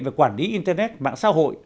về quản lý internet mạng xã hội